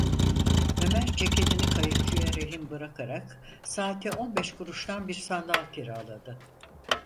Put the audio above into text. Ömer ceketini kayıkçıya rehin bırakarak saati on beş kuruştan bir sandal kiraladı.